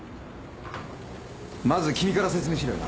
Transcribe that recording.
まず君から説明しろよな。